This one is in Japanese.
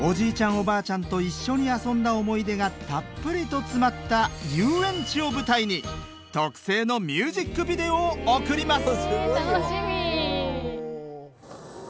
おばあちゃんと一緒に遊んだ思い出がたっぷりと詰まった遊園地を舞台に特製のミュージックビデオを送ります